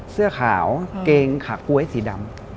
เสื้อขาวเกงขาก๊วยสีดำ